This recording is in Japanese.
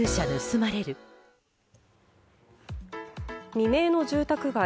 未明の住宅街。